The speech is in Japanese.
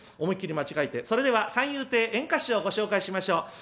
思いっ切り間違えて「それでは三遊亭圓歌師匠をご紹介しましょう。